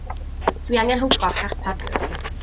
Dw i angen hwfro'r carpad.